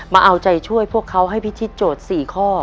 มาเอาใจช่วยพวกเขาให้พิธีโจทย์๔ข้อ